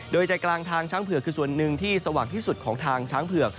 โดยใจกลางทางช้างเผือกคือส่วนหนึ่งที่สว่างที่สุดของทางช้างเผือก